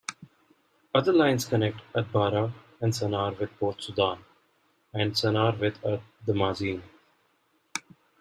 Other lines connect Atbarah and Sannar with Port Sudan, and Sannar with Ad Damazin.